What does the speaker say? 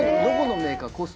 どこのメーカー？